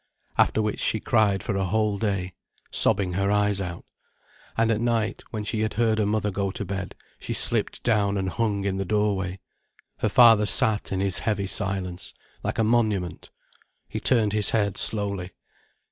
After which she cried for a whole day, sobbing her eyes out. And at night, when she had heard her mother go to bed, she slipped down and hung in the doorway. Her father sat in his heavy silence, like a monument. He turned his head slowly.